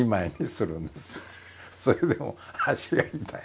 それでも足が痛い。